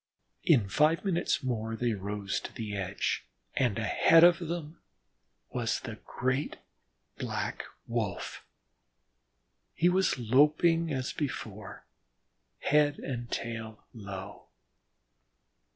In five minutes more they rose to the edge, and ahead of them was the great Black Wolf. He was loping as before, head and tail low.